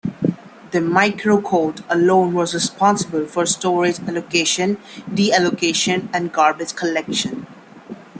The microcode alone was responsible for storage allocation, deallocation and garbage collection.